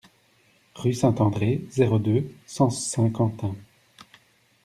Rue Saint-André, zéro deux, cent Saint-Quentin